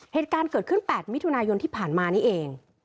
เหตุการณ์เกิดขึ้น๘มิถุนายนที่ผ่านมานี่เอง